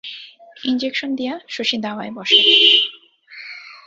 Injection দিয়া শশী দাওয়ায় বসে।